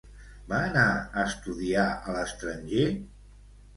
Va anar a estudiar a l'estranger?